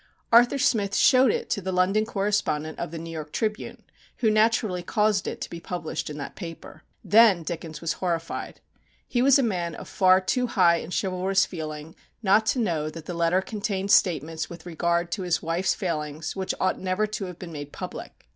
Arthur Smith showed it to the London correspondent of The New York Tribune, who naturally caused it to be published in that paper. Then Dickens was horrified. He was a man of far too high and chivalrous feeling not to know that the letter contained statements with regard to his wife's failings which ought never to have been made public.